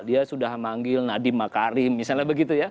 dia sudah manggil nadiem makarim misalnya begitu ya